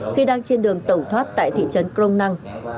khi đang trên đường tổng thoát tại thị trấn crong năng